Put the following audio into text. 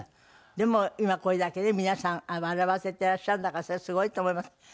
でも今これだけね皆さん笑わせてらっしゃるんだからそれはすごいと思います。